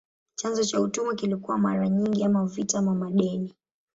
Chanzo cha utumwa kilikuwa mara nyingi ama vita ama madeni.